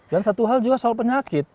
dan satu hal juga soal penyakit